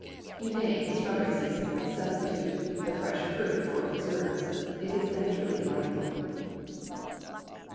You may, in strawberry season, substitute the fresh fruit for preserves. It is then truly delightful.